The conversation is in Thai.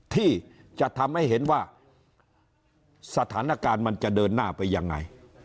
ที่จะทำให้เห็นว่าสถานการณ์มันจะเดินหน้าไปยังไง